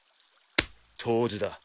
湯治だ。